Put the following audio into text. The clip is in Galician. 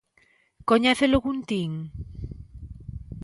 ¿Coñeces o Guntín?